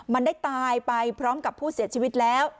มันได้ตายไปพร้อมกับผู้เสียชีวิตแล้ว